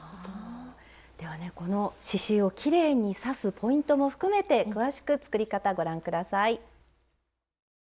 ではねこの刺しゅうをきれいに刺すポイントも含めて詳しく作り方ご覧下さい。